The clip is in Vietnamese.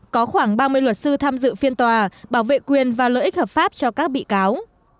có khoảng ba mươi luật sư tham dự phiên tòa bảo vệ quyền và lợi ích hợp pháp cho các bị cáo